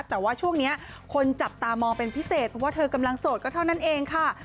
แต่ว่าช่วงนี้คนจับตามองเป็นพิเศษเพราะว่าเธอกำลังโสดก็เท่านั้นเองค่ะ